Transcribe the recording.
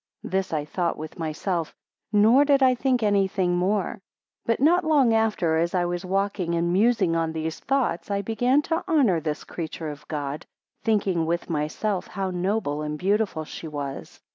This I thought with myself; nor did I think any thing more. But not long after, as I was walking, and musing on these thoughts, I began to honour this creature of God, thinking with myself; how noble and beautiful she was.